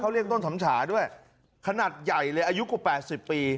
เขาเรียกต้นฉ่ำฉาด้วยขนาดใหญ่เลยอายุกว่าแปดสิบปี